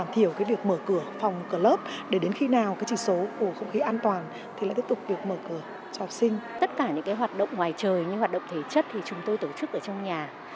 tất cả những hoạt động ngoài trời như hoạt động thể chất thì chúng tôi tổ chức ở trong nhà